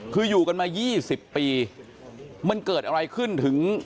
คืออยู่กันมา๒๐ปีมันเกิดอะไรขึ้นถึง